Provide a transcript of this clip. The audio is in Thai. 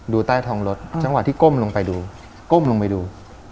ดูใต้ทองรถจังหวะที่ก้มลงไปดู